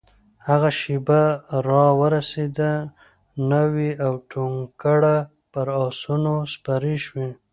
هغه شېبه راورسېده؛ ناوې او ټونګره پر آسونو سپرې شوې